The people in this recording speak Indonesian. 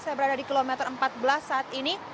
saya berada di kilometer empat belas saat ini